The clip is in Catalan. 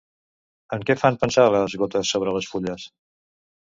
En què fan pensar les gotes sobre les fulles?